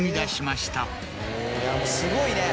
すごいね。